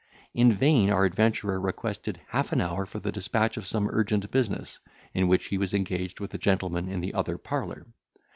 In vain our adventurer requested half an hour for the despatch of some urgent business, in which he was engaged with a gentleman in the other parlour.